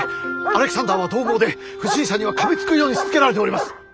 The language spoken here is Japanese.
アレキサンダーはどう猛で不審者にはかみつくようにしつけられております。